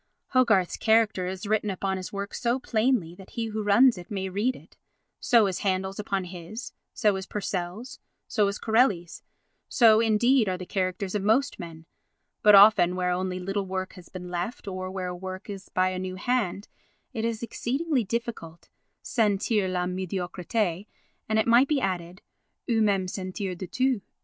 Hogarth's character is written upon his work so plainly that he who runs may read it, so is Handel's upon his, so is Purcell's, so is Corelli's, so, indeed, are the characters of most men; but often where only little work has been left, or where a work is by a new hand, it is exceedingly difficult "sentir la médiocrité" and, it might be added, "ou même sentir du tout."